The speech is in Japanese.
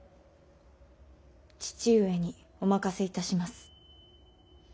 父上にお任せいたします。